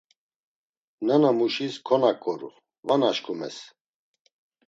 Nanamuşis konaǩoru, va naşkumes.